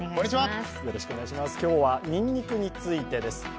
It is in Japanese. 今日はにんにくについてです。